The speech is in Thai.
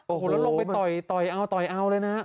โอ้โหแล้วลงไปต่อยเอาต่อยเอาเลยนะ